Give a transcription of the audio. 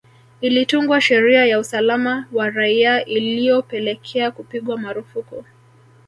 Ilitungwa sheria ya usalama wa raia ilyopelekea kupigwa marufuku